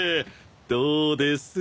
どうです？